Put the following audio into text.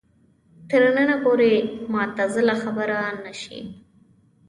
تر ننه پورې معتزله خبره نه شي